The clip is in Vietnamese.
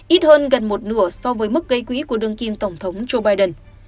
ít hơn gần một nửa so với mức gây quỹ của đương kim tổng thống joe biden